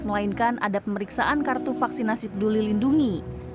melainkan ada pemeriksaan kartu vaksinasi peduli lindungi